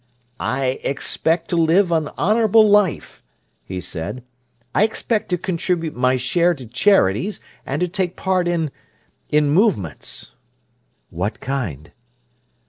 "I expect to live an honourable life," he said. "I expect to contribute my share to charities, and to take part in—in movements." "What kind?"